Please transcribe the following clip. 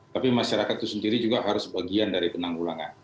tapi masyarakat itu sendiri juga harus bagian dari penanggulangan